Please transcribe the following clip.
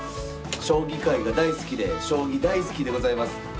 将棋界が大好きで将棋大好きでございます。